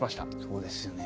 そうですよね。